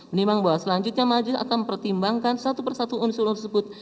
menimbang bahwa selanjutnya majelis akan mempertimbangkan satu persatu unsur tersebut